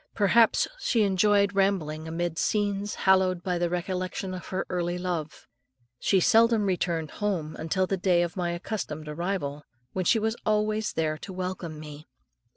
Perhaps she enjoyed rambling amid scenes hallowed by the recollection of her early love. She seldom returned home until the day of my accustomed arrival, when she was always there to welcome me.